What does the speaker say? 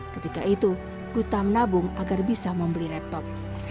ketika itu duta menabung agar bisa membeli laptop